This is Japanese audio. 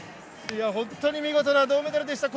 本当に見事な銅メダルでした。